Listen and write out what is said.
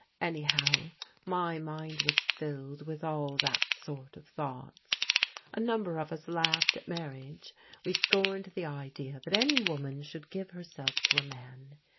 Anyhow, my mind was filled with all that sort of thoughts. A number of us laughed at marriage. We scorned the idea that any woman should give herself to a msm.